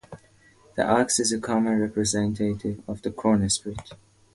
The ox is a common representative of the corn-spirit.